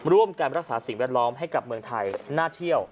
ร่วมกันรักษาสิ่งแวดล้อมให้กับเมืองไทยน่าเที่ยว